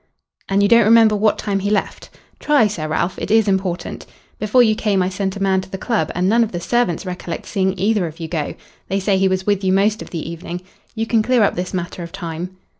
"And you don't remember what time he left? Try, Sir Ralph. It is important. Before you came I sent a man to the club, and none of the servants recollects seeing either of you go. They say he was with you most of the evening. You can clear up this matter of time."